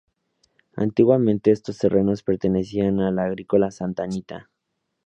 Antiguamente estos terrenos pertenecían a la Agrícola Santa Anita.